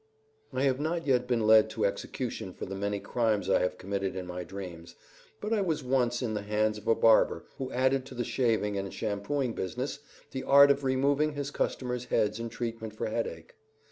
I have not yet been led to execution for the many crimes I have committed in my dreams, but I was once in the hands of a barber who added to the shaving and shampooing business the art of removing his customers' heads in treatment for headache.